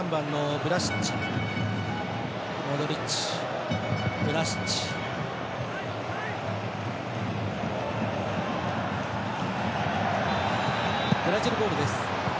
ブラジルボールです。